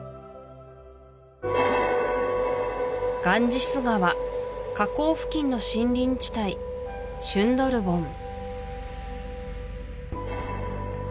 ガンジス川河口付近の森林地帯シュンドルボン